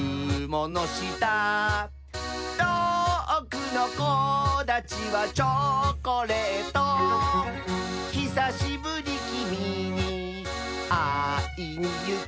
「とおくのこだちはチョコレート」「ひさしぶりきみにあいにゆく」